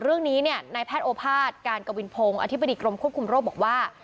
เรื่องนี้เนี่ยนายแพทย์โอภาษย์การกวินพงศ์อธิบดีกรมควบคุมโรคบอกว่า